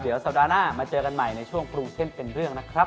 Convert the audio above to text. เดี๋ยวสัปดาห์หน้ามาเจอกันใหม่ในช่วงปรุงเส้นเป็นเรื่องนะครับ